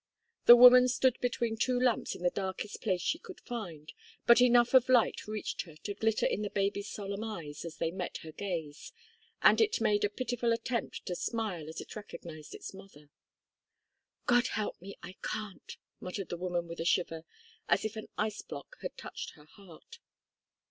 The woman stood between two lamps in the darkest place she could find, but enough of light reached her to glitter in the baby's solemn eyes as they met her gaze, and it made a pitiful attempt to smile as it recognised its mother. "God help me! I can't," muttered the woman with a shiver, as if an ice block had touched her heart.